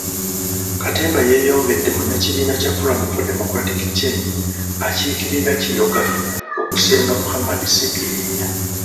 Katemba yeeyongedde munnakibiina kya Forum for Democratic Change akiikirira Kiyoga okusemba Muhammad Sseggirinya.